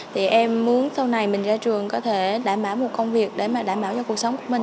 thì em muốn sau này mình ra trường có thể đảm bảo một công việc để mà đảm bảo cho cuộc sống của mình